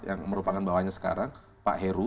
yang merupakan bawahnya sekarang pak heru